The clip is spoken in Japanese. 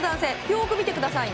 よく見てください。